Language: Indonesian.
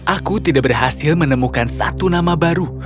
aku tidak berhasil menemukan satu nama baru